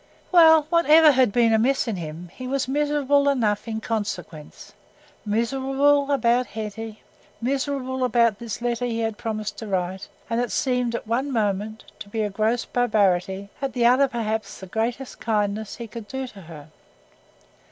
Well, whatever had been amiss in him, he was miserable enough in consequence: miserable about Hetty; miserable about this letter that he had promised to write, and that seemed at one moment to be a gross barbarity, at another perhaps the greatest kindness he could do to her.